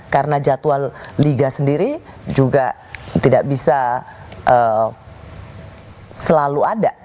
karena jadwal liga sendiri juga tidak bisa selalu ada